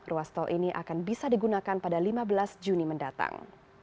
ruas tol ini akan bisa digunakan pada lima belas juni mendatang